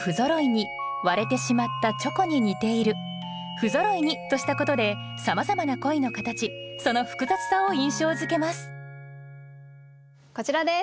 「ふぞろいに」としたことでさまざまな恋の形その複雑さを印象づけますこちらです。